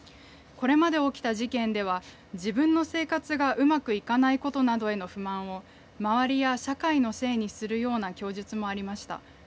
これまで起きた事件では自分の生活がうまくいかないことなどへの不満を周りや社会のせいにするような供述もありました。